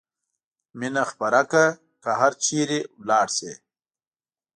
مینه خوره کړه که هر چېرې لاړ شې.